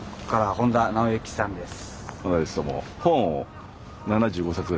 本田直之さんです。